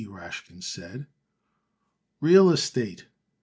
Rashkin said. "Real estate!"